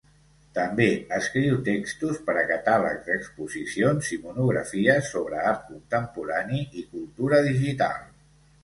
També escriu textos per a catàlegs d'exposicions i monografies sobre art contemporani i cultura digital.